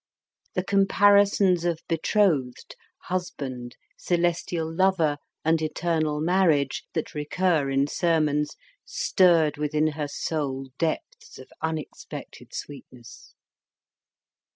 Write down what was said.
The comparisons of betrothed, husband, celestial lover, and eternal marriage, that recur in sermons, stirred within her soul depths of unexpected sweetness.